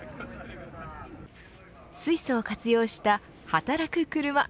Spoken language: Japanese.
水素を活用した働く車。